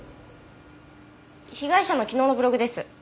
被害者の昨日のブログです。